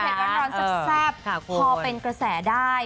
เผ็ดวันร้อนซับพอเป็นกระแสได้